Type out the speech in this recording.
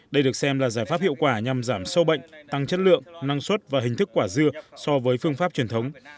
đây được xem là giải pháp hiệu quả nhằm giảm sâu bệnh tăng chất lượng năng suất và hình thức quả dưa so với phương pháp truyền thống